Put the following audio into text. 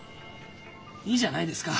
いいじゃないですか。